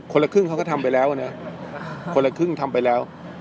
ละครึ่งเขาก็ทำไปแล้วนะคนละครึ่งทำไปแล้ว